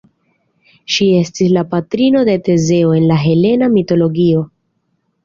Ŝi estis la patrino de Tezeo en la helena mitologio.